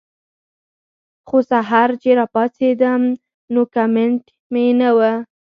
خو سحر چې راپاسېدم نو کمنټ مې نۀ وۀ